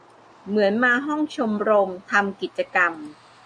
เหมือนมาห้องชมรม ทำกิจกรรม